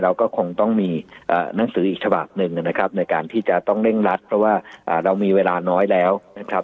เราก็คงต้องมีหนังสืออีกฉบับหนึ่งนะครับในการที่จะต้องเร่งรัดเพราะว่าเรามีเวลาน้อยแล้วนะครับ